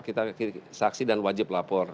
kita saksi dan wajib lapor